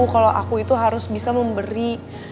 kalau aku itu harus bisa memberi